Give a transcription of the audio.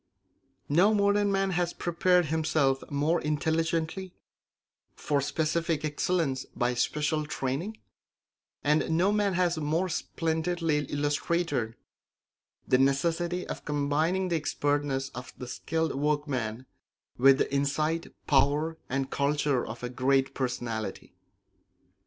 No modern man has prepared himself more intelligently for specific excellence by special training, and no man has more splendidly illustrated the necessity of combining the expertness of the skilled workman with the insight, power, and culture of a great personality.